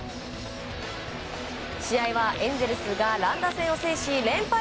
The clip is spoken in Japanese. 試合はエンゼルスが乱打戦を制し連敗